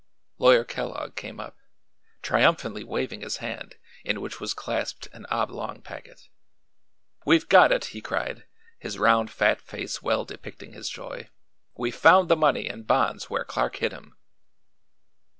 Lawyer Kellogg came up, triumphantly waving his hand, in which was clasped an oblong packet. "We've got it!" he cried, his round fat face well depicting his joy. "We've found the money and bonds where Clark hid 'em."